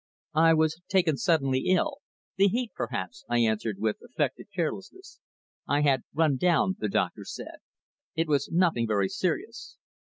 "I was taken suddenly ill the heat perhaps," I answered with affected carelessness. "I had run down, the doctor said. It was nothing very serious."